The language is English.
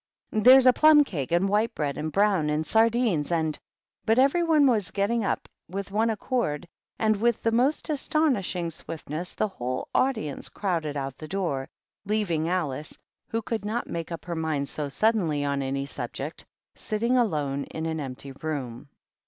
" There's plum cake, and white bread and brown, and sardines^ and " But everybody was getting up with one accord and with the most astonishing swiftness the whoh audience crowded out the door, leaving Alice, wh( could not make up her mind so suddenly on ani subject, sitting alone in an empty room.